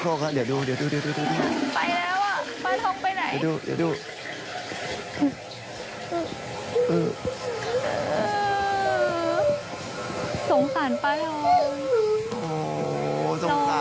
ตอนจะทิ้งที่นี่แค่ในการจูบปลา